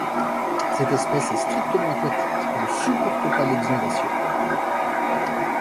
Cette espèce est strictement aquatique et ne supporte pas l'exondation.